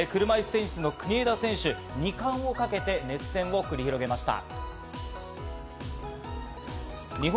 車いすテニスの国枝選手、２冠をかけて熱戦を繰り広げました。